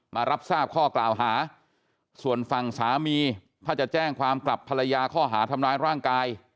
มารับทราบข้อกล่าวหาส่วนฝั่งสามีถ้าจะแจ้งความกลับภรรยาข้อหาทำร้ายร่างกาย